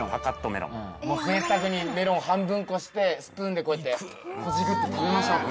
もう贅沢にメロン半分こしてスプーンでこうやってほじくって食べましょう。